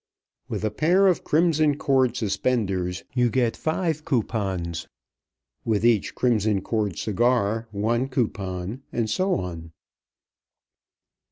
With a pair of Crimson Cord suspenders you get fire coupons; with each Crimson Cord cigar, one coupon; and so on.